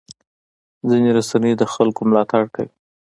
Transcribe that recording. ځینې رسنۍ د خلکو ملاتړ کوي.